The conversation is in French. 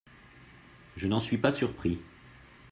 Je n'en suis pas surpris.